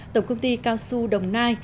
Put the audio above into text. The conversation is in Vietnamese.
tổng công ty cao xu đồng nai